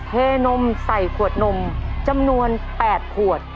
เทนมใส่ขวดนมจำนวน๘ขวด